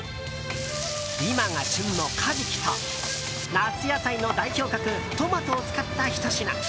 今が旬のカジキと夏野菜の代表格トマトを使ったひと品。